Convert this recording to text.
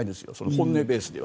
本音ベースでは。